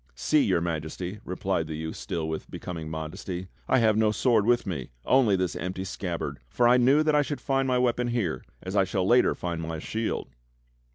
"See, your Majesty," replied the youth still with becoming modesty, "I have no sword with me, only this empty scabbard; for I knew that I should find my weapon here, as I shall later find my shield."